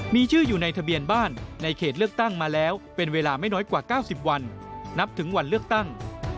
มีชื่ออยู่ในทะเบียนบ้านในเขตเลือกตั้งมาแล้วเป็นเวลาไม่น้อยกว่า๙๐วันนับถึงวันเลือกตั้ง